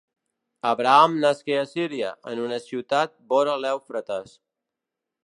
Abraham nasqué a Síria, en una ciutat vora l'Eufrates.